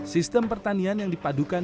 sistem pertanian yang dipadukan